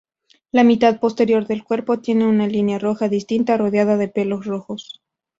La mitad posterior del cuerpo tiene una línea roja distinta, rodeada de pelos rojos.